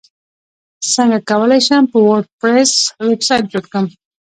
څنګه کولی شم په وردپریس ویبسایټ جوړ کړم